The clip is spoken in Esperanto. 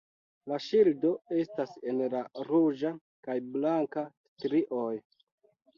La ŝildo estas en la ruĝa kaj blanka strioj.